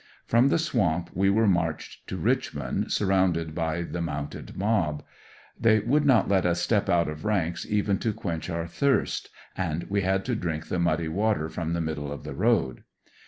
From the swamp we were marched to Richmond, surrounded by the mounted mob. They would not let us step out of the ranks even to quench our thirst, and we had to drink the muddy water from the middle of the road.